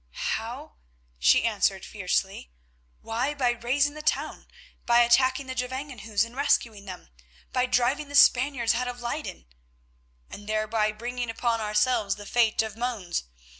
"How?" she answered fiercely. "Why, by raising the town; by attacking the Gevangenhuis and rescuing them, by driving the Spaniards out of Leyden——" "And thereby bringing upon ourselves the fate of Mons.